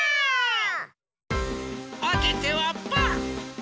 おててはパー！